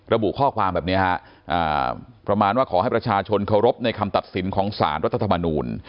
ระบุข้อความแบบนี้ฮะประมาณว่าขอให้ประชาชนเคารพในคำตัดสินของสารรัฐธรรมนูล